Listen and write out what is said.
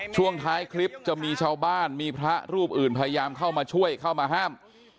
ช่วงท้ายคลิปจะมีชาวบ้านมีพระรูปอื่นพยายามเข้ามาช่วยเข้ามาห้าม